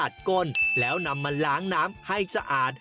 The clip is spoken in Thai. มาตัดกลงแล้วนำมันล้างน้ำให้สะอาด